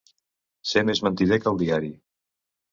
Ser més mentider que el diari.